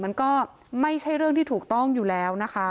มันก็ไม่ใช่เรื่องที่ถูกต้องอยู่แล้วนะคะ